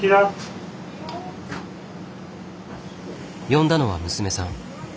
呼んだのは娘さん。